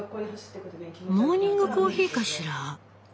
モーニングコーヒーかしら？